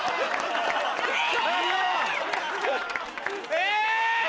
え！